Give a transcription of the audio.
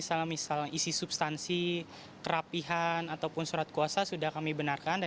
sebagai latar belakang